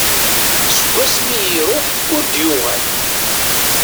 Seg wasmi i iruḥ ur d-yuɣal.